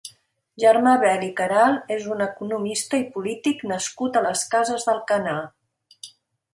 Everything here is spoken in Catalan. Germà Bel i Queralt és un economista i polític nascut a les Cases d'Alcanar.